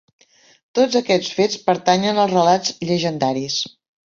Tots aquests fets pertanyen als relats llegendaris.